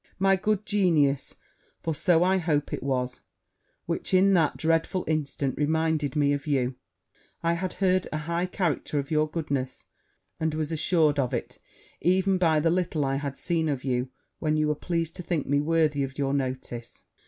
My good genius, (for so I hope it was) in that dreadful instant, reminded me of you; I had heard a high character of your goodness; and was assured of it, even by the little I had seen of you, when you were pleased to think me worthy of your notice.